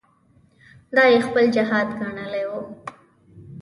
دا یې خپل جهاد ګڼلی وو.